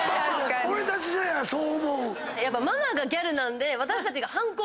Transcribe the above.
俺たち世代はそう思う。